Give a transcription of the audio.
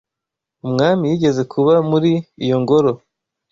Umwami yigeze kuba muri iyo ngoro.